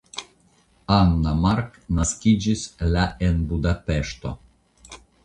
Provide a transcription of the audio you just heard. Anna Mark naskiĝis la en Budapeŝto.